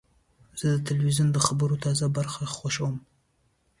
زه د تلویزیون د خبرونو تازه برخه خوښوم.